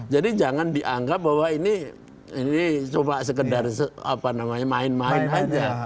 jadi jangan dianggap bahwa ini coba sekedar main main aja